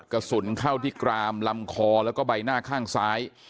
กระสุนเข้าที่กรามลำคอแล้วก็ใบหน้าข้างซ้าย